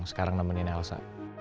sekarang nemenin elsa